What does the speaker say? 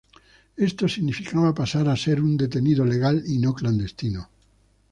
Esto significaba pasar a ser un detenido legal y no clandestino.